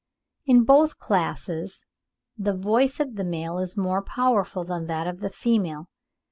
In both classes the voice of the male is more powerful than that of the female.